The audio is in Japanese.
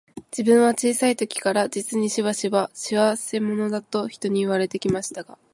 自分は小さい時から、実にしばしば、仕合せ者だと人に言われて来ましたが、